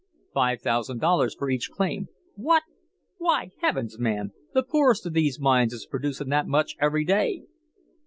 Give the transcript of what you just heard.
"Five thousand dollars for each claim." "What! Why, heavens, man, the poorest of these mines is producing that much every day!"